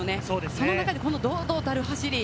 その中で堂々たる走り。